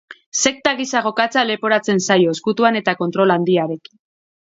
Sekta gisa jokatzea leporatzen zaio, ezkutuan eta kontrol handiarekin.